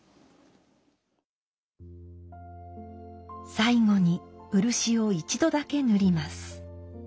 最後に漆を一度だけ塗ります。